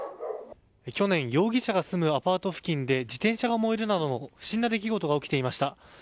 去年、容疑者が住むアパート付近で自転車が燃えるなどの不審な出来事が起きていました。